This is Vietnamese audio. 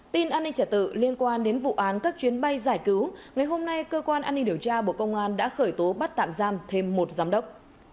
tin an ninh trả tự liên quan đến vụ án các chuyến bay giải cứu ngày hôm nay cơ quan an ninh điều tra bộ công an đã khởi tố bắt tạm giam thêm một giám đốc